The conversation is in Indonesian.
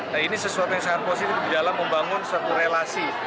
nah ini sesuatu yang sangat positif di dalam membangun suatu relasi